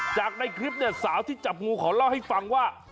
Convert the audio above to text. จากในคลิปเนี่ยสาวที่จับงูเขาเล่าให้ฟังว่า